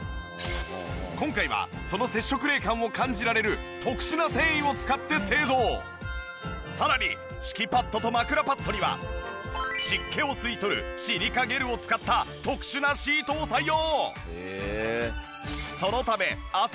今回はその接触冷感を感じられるさらに敷きパッドと枕パッドには湿気を吸い取るシリカゲルを使った特殊なシートを採用。